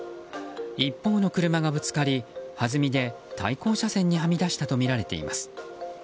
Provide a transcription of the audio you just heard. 一方の車がぶつかりはずみで対向車線にはみ出したとみられています。